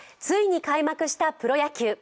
ついに開幕したプロ野球。